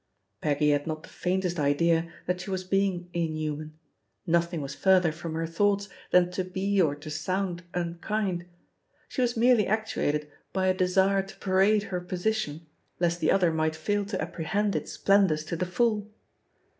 Peggy had not the faintest idea that she was being inhuman, nothing was further from her JTHE POSITION OF PEGGY HARPER «T1 Noughts than to be or to sound unkind ; she was merely actuated by a desire to parade her posi tion, lest the other might fail to apprehend its splendours to the full.